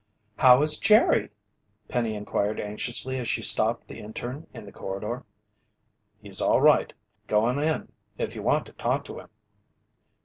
"How is Jerry?" Penny inquired anxiously as she stopped the interne in the corridor. "He's all right. Go on in if you want to talk to him."